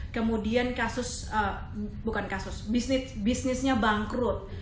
kemudian kasus bukan kasus bisnisnya bangkrut